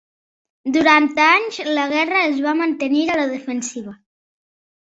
Durant anys la guerra es va mantenir a la defensiva.